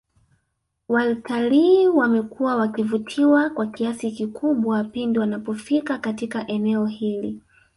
Waltalii wamekuwa wakivutiwa kwa kiasi kikubwa pindi wanapofika Katika eneo hili